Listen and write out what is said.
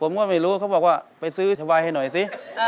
ผมก็ไม่รู้เขาบอกว่าไปซื้อสบายให้หน่อยสิ